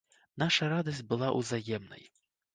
Наша радасць была ўзаемнай.